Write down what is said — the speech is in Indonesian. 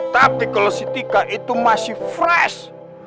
tapi kalau si tika itu masih fresh